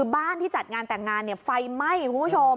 บ้านที่จัดงานแต่งงานไฟไหม้คุณผู้ชม